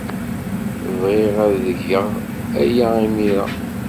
Bɣiɣ ad tgeḍ aya imir-a.